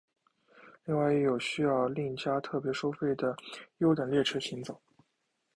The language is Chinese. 另外亦有需要另加特别收费的优等列车行走。